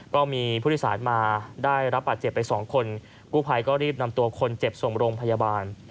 ก็มีผู้โดยสารมาได้รับบาดเจ็บไปสองคนกู้ภัยก็รีบนำตัวคนเจ็บส่งโรงพยาบาล